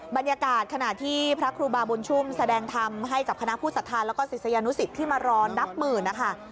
บรรยากาศขณะที่พระครูบาบุญชุ่มแสดงธรรมให้กับคณะผู้สัทธาแล้วก็ศิษยานุสิตที่มารอนับหมื่นนะคะ